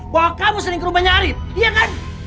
bahwa kamu sering ke rumahnya arief iya kan